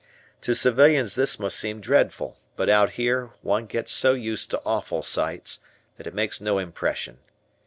To civilians this must seem dreadful, but out here, one gets so used to awful sights, that it makes no impression.